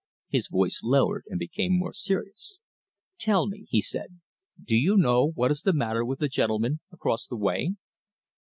His voice lowered, became more serious. "Tell me," he said, "do you know what is the matter with the gentleman across the way?"